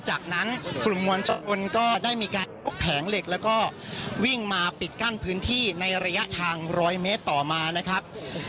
จากนั้นกลุ่มมวลชนก็ได้มีการยกแผงเหล็กแล้วก็วิ่งมาปิดกั้นพื้นที่ในระยะทาง๑๐๐เมตรต่อมานะครับ